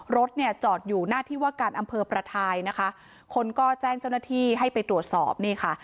รถเนี่ยจอดอยู่หน้าที่ว่าการอำเภอประทายนะคะคนก็แจ้งเจ้าหน้าที่ให้ไปตรวจสอบนี่ค่ะ